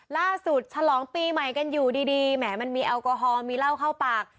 สุดสุดทะลองปีใหม่กันอยู่ดีแหมมันมีอัลโกฮอลมีเหล้าข้าวปาก